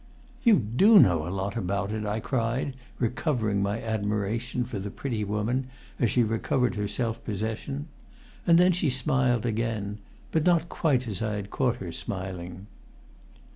"You do know a lot about it!" I cried, recovering my admiration for the pretty woman as she recovered her self possession. And then she smiled again, but not quite as I had caught her smiling.